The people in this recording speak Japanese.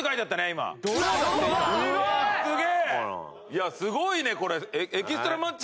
いやすごいねこれ。